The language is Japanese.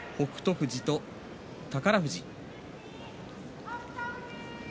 富士と宝富士です。